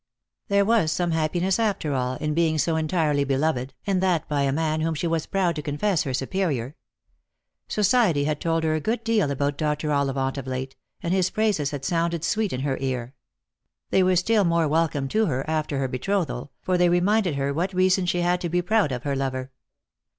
There was some happiness, after all, in being so entirely beloved, and that by a man whom she was proud to confess her superior. Society had told her a good deal about Dr. Ollivant of late, and his praises had sounded sweet in her ear. They were still more welcome to her after her betrothal, for they reminded her what reason she had to be proud of her lover.